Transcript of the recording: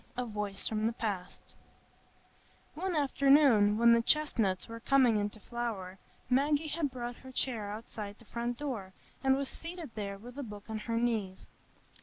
A Voice from the Past One afternoon, when the chestnuts were coming into flower, Maggie had brought her chair outside the front door, and was seated there with a book on her knees.